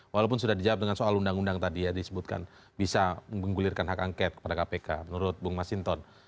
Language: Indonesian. walaupun sudah dijawab dengan soal undang undang tadi ya disebutkan bisa menggulirkan hak angket kepada kpk menurut bung masinton